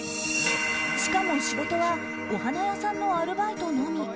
しかも仕事はお花屋さんのアルバイトのみ。